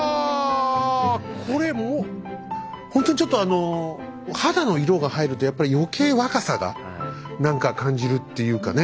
これもうほんとにちょっとあの肌の色が入るとやっぱりよけい若さが何か感じるっていうかね